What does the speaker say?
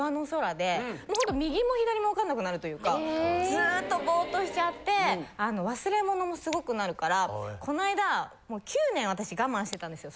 ずっとボーッとしちゃって忘れ物もすごくなるからこの間９年私我慢してたんですよ